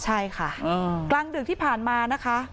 ใช่ค่ะกลางดึกที่ผ่านมานะคะ